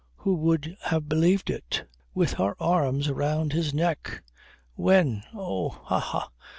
Who would have believed it? with her arms round his neck. When! Oh! Ha! Ha!